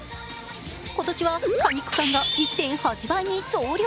今年は果肉感が１．８倍に増量。